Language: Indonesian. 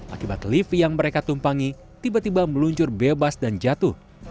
akibat lift yang mereka tumpangi tiba tiba meluncur bebas dan jatuh